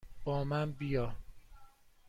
با من بیا!